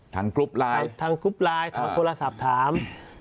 กรุ๊ปไลน์ทั้งกรุ๊ปไลน์ทางโทรศัพท์ถาม